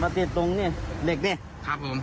มาเลยปริ่นตรงเนี่ยเหล็กเนี่ยครับผม